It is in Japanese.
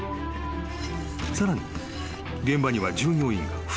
［さらに現場には従業員が２人いる］